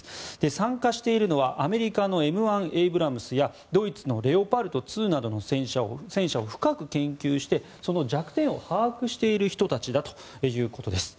参加しているのはアメリカのＭ１エイブラムスやドイツのレオパルト２などの戦車を深く研究してその弱点を把握している人たちだということです。